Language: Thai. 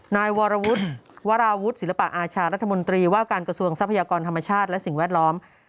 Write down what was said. นายวรวุฒิวราวุฒิศิลปะอาชารัฐมนตรีว่าการกระทรวงทรัพยากรธรรมชาติและสิ่งแวดล้อม